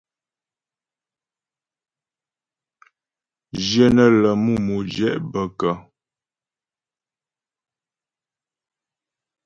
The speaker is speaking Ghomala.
Jyə nə́ lə mú modjɛ' bə kə́ ?